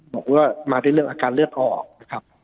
บอกว่ามาด้วยเรื่องอาการเลือดออกนะครับ